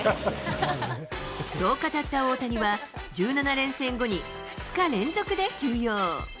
そう語った大谷は、１７連戦後に２日連続で休養。